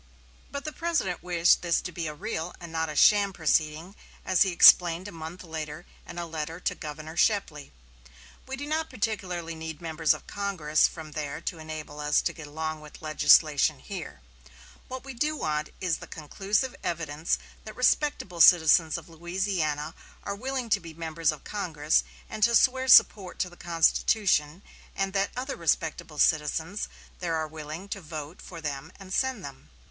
But the President wished this to be a real and not a sham proceeding, as he explained a month later in a letter to Governor Shepley: "We do not particularly need members of Congress from there to enable us to get along with legislation here. What we do want is the conclusive evidence that respectable citizens of Louisiana are willing to be members of Congress and to swear support to the Constitution, and that other respectable citizens there are willing to vote for them and send them.